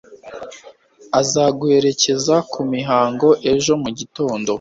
azaguherekeza kumihango ejo mugitond